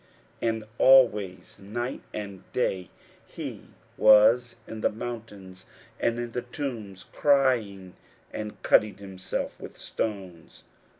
41:005:005 And always, night and day, he was in the mountains, and in the tombs, crying, and cutting himself with stones.